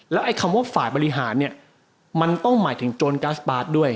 ไอ้คำว่าฝ่ายบริหารเนี่ยมันต้องหมายถึงโจรกัสปาร์ทด้วย